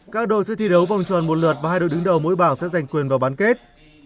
các đội sẽ thi đấu vòng tròn một lượt và hai đội đứng đầu mỗi bảng sẽ giành quyền vào bán kết